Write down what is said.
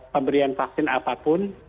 pemberian vaksin apapun